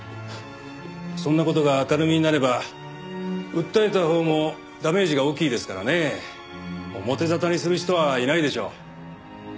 そんな事が明るみになれば訴えたほうもダメージが大きいですからねえ。表沙汰にする人はいないでしょう。